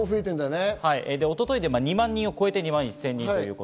一昨日で２万人を超えて２万１０００人。